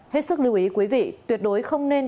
hết sức lưu ý quý vị tuyệt đối không nên